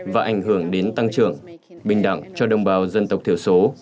và ảnh hưởng đến tăng trưởng bình đẳng cho đồng bào dân tộc thiểu số